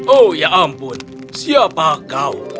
oh ya ampun siapa kau